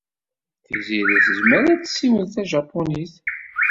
Tiziri tezmer ad tessiwel tajapunit.